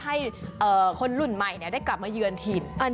ให้คนรุ่นใหม่ได้กลับมาเยือนถิ่น